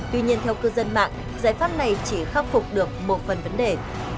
tuy nhiên theo cư dân mạng giải pháp này chỉ khắc phục được một phần vấn đề